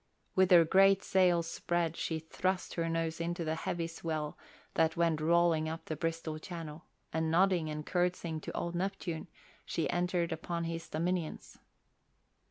With her great sails spread she thrust her nose into the heavy swell that went rolling up the Bristol Channel, and nodding and curtseying to old Neptune, she entered upon his dominions.